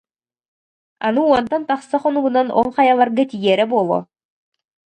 Аны уонтан тахса хонугунан ол хайаларга тиийэрэ буолуо